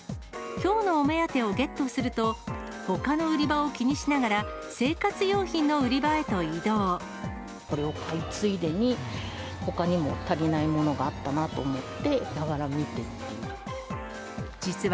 きょうのお目当てをゲットすると、ほかの売り場を気にしながら、これを買いついでに、ほかにも足りないものがあったなと思って、ながら見てるという。